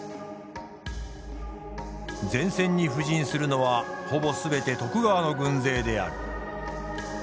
前線に布陣するのはほぼ全て徳川の軍勢である。